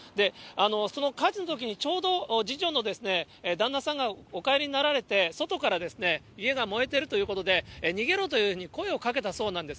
その火事のときにちょうど次女の旦那さんがお帰りになられて、外から家が燃えてるということで、逃げろというふうに声をかけたそうなんです。